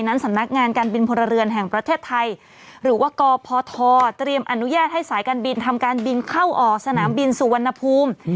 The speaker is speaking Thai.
สำนักงานการบินพลเรือนแห่งประเทศไทยหรือว่ากพทเตรียมอนุญาตให้สายการบินทำการบินเข้าออกสนามบินสุวรรณภูมิ